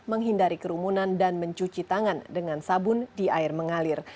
menghindari kerumunan dan mencuci tangan dengan sabun di air mengalir